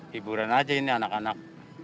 hiburan aja ini anak anak